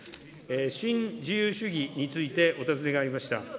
新自由主義についてお尋ねがありました。